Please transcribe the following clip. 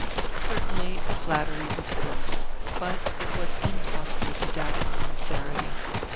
Certainly the flattery was gross, but it was impossible to doubt its sincerity.